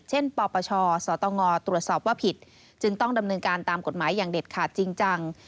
ปปชสตงตรวจสอบว่าผิดจึงต้องดำเนินการตามกฎหมายอย่างเด็ดขาดจริงจัง